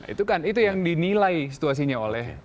itu kan itu yang dinilai situasinya oleh